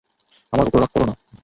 আমার উপর রাগ করো না।